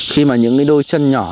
khi mà những đôi chân nhỏ